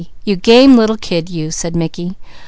You game little kid, you," said Mickey.